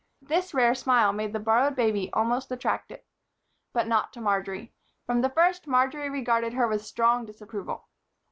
This rare smile made the borrowed baby almost attractive. But not to Marjory. From the first, Marjory regarded her with strong disapproval.